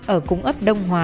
ở cung ấp đông hòa